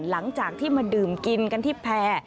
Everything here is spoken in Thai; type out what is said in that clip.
หลังจากที่มาดื่มกินกันที่แพร่